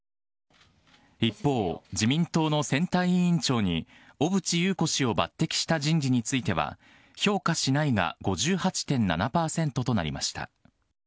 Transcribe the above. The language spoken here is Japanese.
一方、自民党の選対委員長に小渕優子氏を抜てきした人事については、評価しないが５８．７％となりました。